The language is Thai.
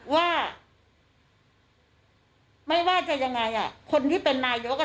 ว่าไม่ว่าจะยังไงคนที่เป็นนายก